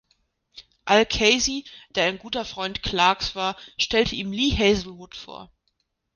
Al Casey, der ein guter Freund Clarks war, stellte ihm Lee Hazlewood vor.